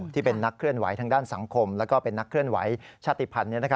ที่เป็นนักเคลื่อนไหวทางด้านสังคมและเป็นนักเคลื่อนไหวชาติภัณฑ์